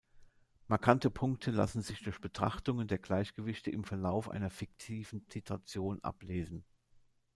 Markante Punkte lassen sich durch Betrachtungen der Gleichgewichte im Verlauf einer fiktiven Titration ablesen.